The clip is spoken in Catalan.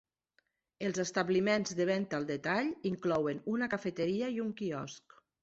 Els establiments de venda al detall inclouen una cafeteria i un quiosc.